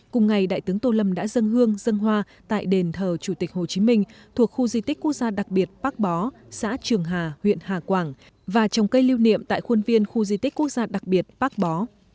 cùng ngày đại tướng tô lâm đã dân hương dân hoa tại đền thờ chủ tịch hồ chí minh thuộc khu di tích quốc gia đặc biệt bác bó xã trường hà huyện hà quảng và trồng cây lưu niệm tại khuôn viên khu di tích quốc gia đặc biệt bác bó